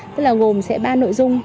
tức là gồm sẽ ba nội dung